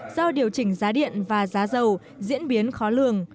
do điều chỉnh giá điện và giá dầu diễn biến khó lường